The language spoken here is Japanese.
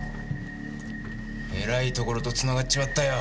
えらいところと繋がっちまったよ